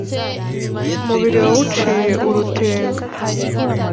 umubiri yawuciye urutenga.